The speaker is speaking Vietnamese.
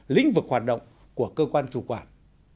lĩnh vực hoạt động của cơ quan chủ quản